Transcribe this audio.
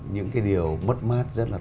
những cái điều mất mát rất là